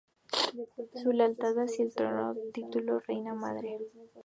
Su lealtad hacia el trono le dio el título de "Reina Madre".